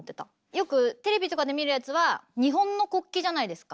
よくテレビとかで見るやつは日本の国旗じゃないですか。